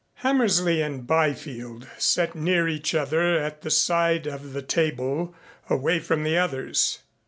Hammersley and Byfield sat near each other at the side of the table away from the others.